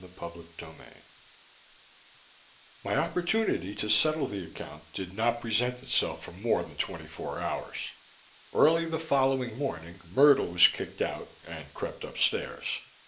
CHAPTER 35 My opportunity to settle the account did not present itself for more than twenty four hours. Early the following morning, Myrtle was kicked out and crept upstairs.